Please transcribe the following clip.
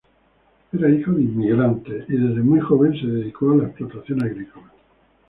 Era hijo de inmigrantes, y desde muy joven se dedicó a la explotación agrícola.